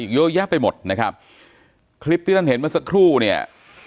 เยอะแยะไปหมดนะครับคลิปที่ท่านเห็นเมื่อสักครู่เนี่ย